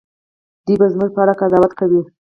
دوی به زموږ په اړه قضاوت کوي.